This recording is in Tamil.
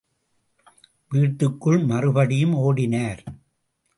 வீட்டுக்குள் மறுபடியும் ஒடினார்.